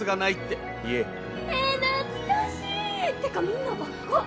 え懐かしい！ってかみんな若っ！